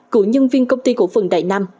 cựu nhân viên công ty cổ phần đại nam